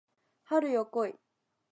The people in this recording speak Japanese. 春よ来い